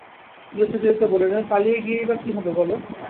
চলিতে চলিতে বলেলেন, পালিয়ে গিয়েই বা কী হবে বলো?